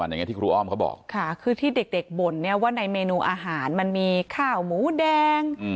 อย่างนี้ที่ครูอ้อมเขาบอกค่ะคือที่เด็กบ่นเนี่ยว่าในเมนูอาหารมันมีข้าวหมูแดง